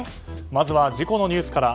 まずは事故のニュースから。